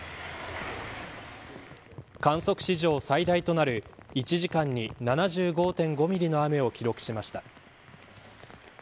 観測史上最大となる１時間に７５．５ミリの雨を記録しました。